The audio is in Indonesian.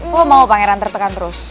kok mau pangeran tertekan terus